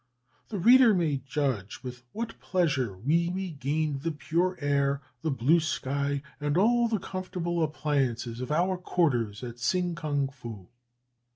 "The reader may judge with what pleasure we regained the pure air, the blue sky, and all the comfortable appliances of our quarters at Tsing kong fou."